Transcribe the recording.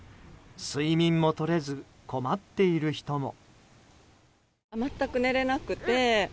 睡眠もとれず困っている人も。